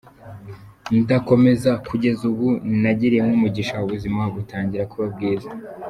Ndakomeza kugeza ubu nagiriyemo umugisha ubuzima butangira kuba bwiza.